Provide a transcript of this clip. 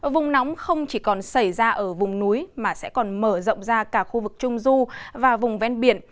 vùng nóng không chỉ còn xảy ra ở vùng núi mà sẽ còn mở rộng ra cả khu vực trung du và vùng ven biển